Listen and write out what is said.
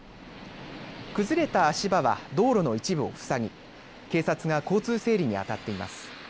崩れた足場は道路の一部を塞ぎ警察が交通整理にあたっています。